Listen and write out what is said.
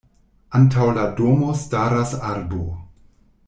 Antaŭ la domo staras arbo.